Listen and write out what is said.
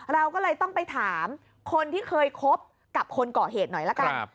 เราก็เลยต้องไปถามคนที่เคยคบกับคนก่อเหตุหน่อยละกัน